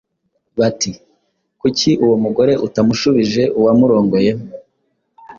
bati «Kuki uwo mugore utamushubije uwamurongoye,